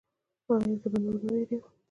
ایا زه به نور نه ویریږم؟